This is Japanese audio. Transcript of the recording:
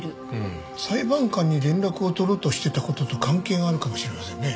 裁判官に連絡を取ろうとしてた事と関係があるかもしれませんね。